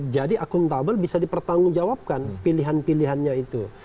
jadi akuntabel bisa dipertanggungjawabkan pilihan pilihannya itu